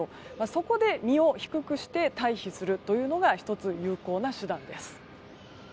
そこで身を低くして退避するのが１つ有効な手段です。